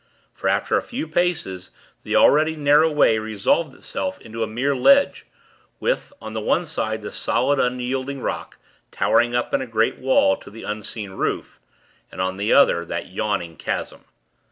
For, after a few paces, the already narrow way, resolved itself into a mere ledge, with, on the one side the solid, unyielding rock, towering up, in a great wall, to the unseen roof, and, on the other, that yawning chasm.